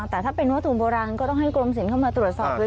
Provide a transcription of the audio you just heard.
แต่ถ้าเป็นวัตถุโบราณก็ต้องให้กรมศิลปเข้ามาตรวจสอบด้วย